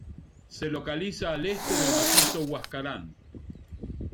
Se localiza al este del Macizo Huascarán.